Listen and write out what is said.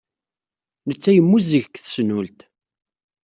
Netta yemmuzzeg deg tesnult.